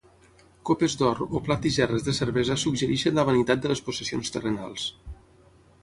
Copes d'or o plat i gerres de cervesa suggereixen la vanitat de les possessions terrenals.